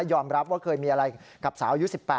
อมรับว่าเคยมีอะไรกับสาวอายุ๑๘